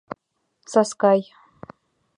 Саскай.